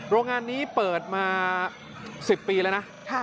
โรงงานนี้เปิดมา๑๐ปีแล้วนะ